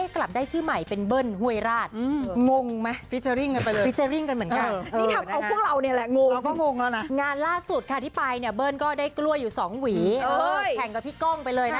แข่งกับพี่ก้องไปเลยนะ